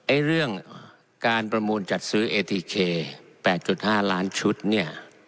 ไอ้เรื่องการประมูลจัดซื้อเอทีเคแปดจุดห้าล้านชุดเนี้ย